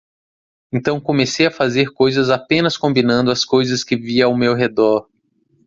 Então comecei a fazer coisas apenas combinando as coisas que vi ao meu redor.